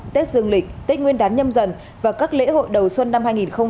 tết dương lịch tết nguyên đán nhâm dần và các lễ hội đầu xuân năm hai nghìn hai mươi